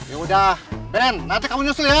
yaudah ben nanti kamu nyusul ya